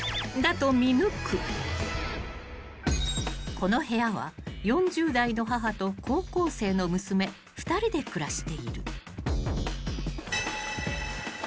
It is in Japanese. ［この部屋は４０代の母と高校生の娘２人で暮らしている］